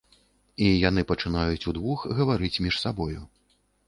І яны пачынаюць удвух гаварыць між сабою.